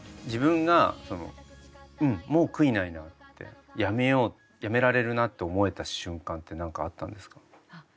自分がそのうんもう悔いないなってやめようやめられるなって思えた瞬間って何かあったんですか？